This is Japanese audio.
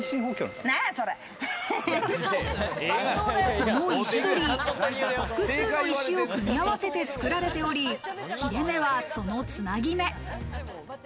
この石鳥居、複数の石を組み合わせて作られており、切れ目は、そのつなぎ目。